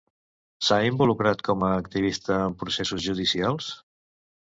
S'ha involucrat com a activista en processos judicials?